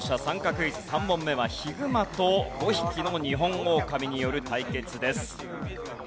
クイズ３問目はヒグマと５匹のニホンオオカミによる対決です。